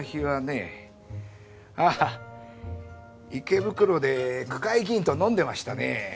池袋で区会議員と飲んでましたね。